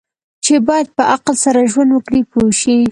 چې باید په عقل سره ژوند وکړي پوه شوې!.